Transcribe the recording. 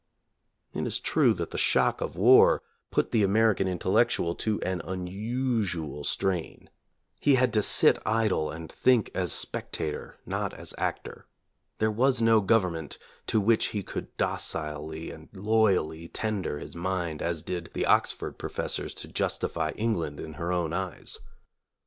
It is true that the shock of war put the American intellectual to an unusual strain. He had to sit idle and think as spectator not as actor. There was no government to which he could docilely and loyally tender his mind as did the Oxford professors to justify England in her own eyes.